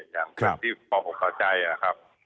อย่างที่พอออกพอใจนะครับ